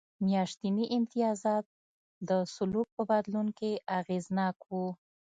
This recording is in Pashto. میاشتني امتیازات د سلوک په بدلون کې اغېزناک و.